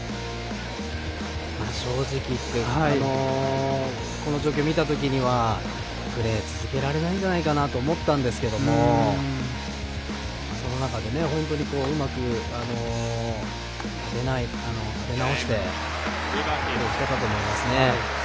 正直言ってこの状況を見たときにはプレー続けられないんじゃないかなと思ったんですけどもその中で本当にうまく立て直してプレーしたと思いますね。